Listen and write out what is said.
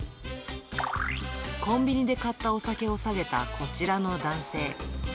コンビニで買ったお酒を提げたこちらの男性。